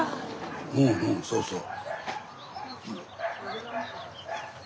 うんうんそうそう。